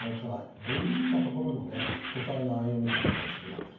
こう言い切ったところにね都会の暗喩みたいな感じになってる。